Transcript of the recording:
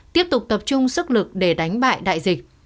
tiếp tục tập trung sức lực để đánh bại đại dịch